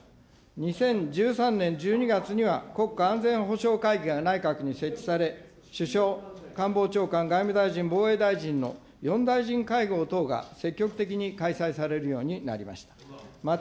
２０１３年１２月には、国家安全保障会議が内閣に設置され、首相、官房長官、外務大臣、防衛大臣の４大臣会合等が積極的に開催されるようになりました。